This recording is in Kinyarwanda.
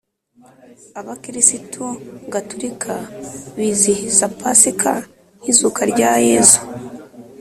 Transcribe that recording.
Abakirisitu gaturika bizihiza pasika nkizuka rya yezu